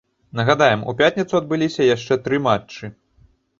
Нагадаем, у пятніцу адбыліся яшчэ тры матчы.